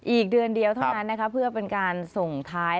อีกเดือนเดียวเท่านั้นนะคะเพื่อเป็นการส่งท้าย